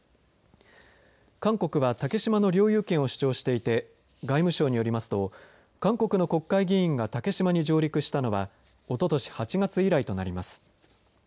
韓国は竹島の領有権を主張していて外務省によりますと韓国の国会議員が竹島に上陸したのはおととし８月以来となります。